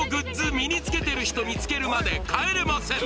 身につけてる人見つけるまで帰れません